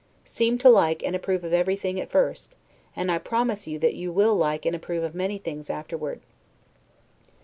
Seem to like and approve of everything at first, and I promise you that you will like and approve of many things afterward.